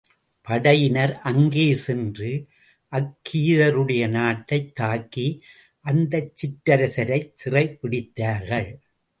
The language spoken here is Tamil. படையினர் அங்கே சென்று, அக்கீதருடைய நாட்டைத் தாக்கி, அந்தச் சிற்றரசரைச் சிறைப் பிடித்தார்கள்.